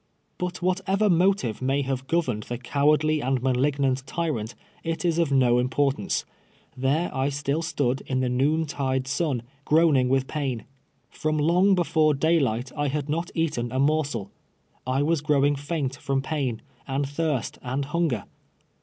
But whatever motive may have governed the cow ardly and malignant tyrant, it is of no im]»ortance. There I still stood in the noon tide sun, groaning with pain. From long before daylight I had not eaten a morsel. I was gi'owing faint from ])ain, and thirst, and hunger.